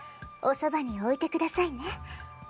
おそばに置いてくださいね。